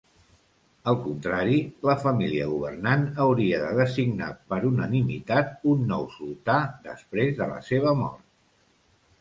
Al contrari, la família governant hauria de designar per unanimitat un nou sultà després de la seva mort.